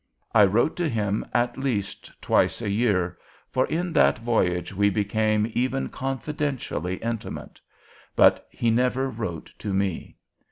I wrote to him at least twice a year, for in that voyage we became even confidentially intimate; but he never wrote to me.